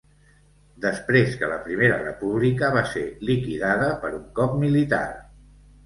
Després que la primera república va ser liquidada per un cop militar.